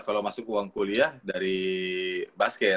kalau masuk uang kuliah dari basket